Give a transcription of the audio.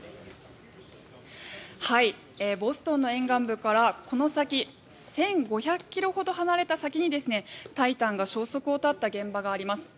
ボストンの沿岸部からこの先１５００ｋｍほど離れた先に「タイタン」が消息を絶った現場があります。